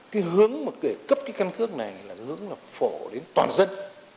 cái hướng mà để cấp cái căn cước này là hướng là phổ đến toàn dân